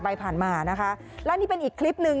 เสื้อทหารก็จะวิ่งใส่เขา